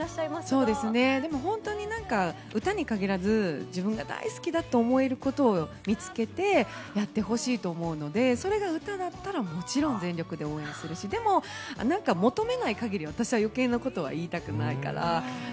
本当に歌に限らず自分が大好きだって思えることを見つけてやってほしいと思うので、それが歌だったらもちろん全力で応援するし、でも求めない限り私は余計なことは言いたくないから。